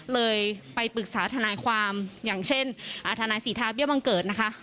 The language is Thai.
เลยไปปรึกษาทนายความอย่างเช่นทนายสิทธาเบี้ยบังเกิดนะคะ